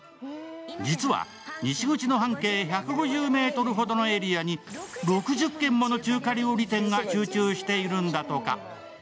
実は西口の半径１５０ｍほどのエリアに６０軒もの中華料理店が集中しているんだとか。